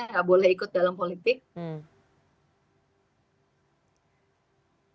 tidak boleh ikut dalam politik enggak mbak rifa mau bilang bahwa setiap politisi di indonesia anaknya enggak boleh ikut dalam politik